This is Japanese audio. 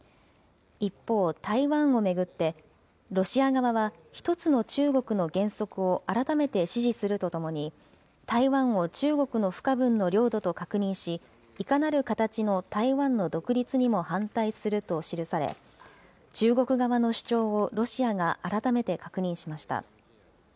一方、台湾を巡って、ロシア側は１つの中国の原則を改めて支持するとともに、台湾を中国の不可分の領土と確認し、いかなる形の台湾の独立にも反対すると記され、中国側の主張をロシアが改めて確認しました。